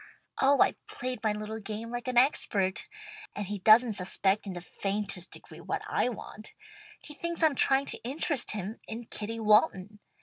Oh I've played my little game like an expert, and he doesn't suspect in the faintest degree what I want. He thinks I'm trying to interest him in Kitty Walton.